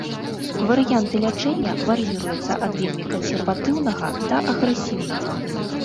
Варыянты лячэння вар'іруюцца ад вельмі кансерватыўнага да агрэсіўнага.